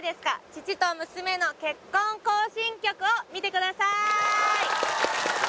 父と娘の結婚行進曲」を見てください